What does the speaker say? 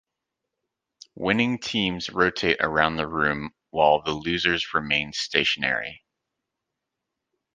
Winning teams rotate around the room, while the losers remain stationary.